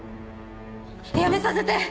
やめさせて！